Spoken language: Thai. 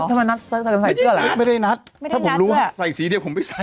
ทำไมนัดใส่เกื้ออะไรไม่ได้นัดไม่ได้นัดเกือบถ้าผมรู้ว่าใส่สีเดียวผมไม่ใส่